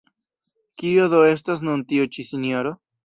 Kie do estas nun tiu ĉi sinjoro?